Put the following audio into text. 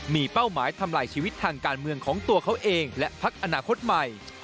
มีเป้าหมายทำลายชีวิตทางการเมืองของตัวเขาเองและพักอนาคตใหม่